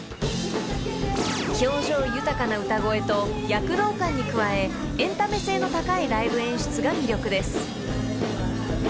［表情豊かな歌声と躍動感に加えエンタメ性の高いライブ演出が魅力です］